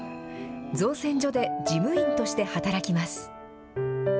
造船所で事務員として働きます。